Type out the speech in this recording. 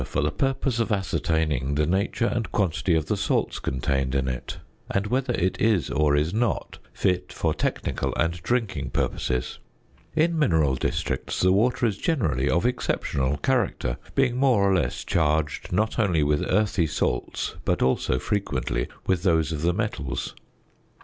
The assayer is occasionally called on to test water for the purpose of ascertaining the nature and quantity of the salts contained in it, and whether it is or is not fit for technical and drinking purposes. In mineral districts the water is generally of exceptional character, being more or less charged, not only with earthy salts, but also frequently with those of the metals.